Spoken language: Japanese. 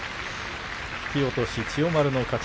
引き落とし、千代丸の勝ち。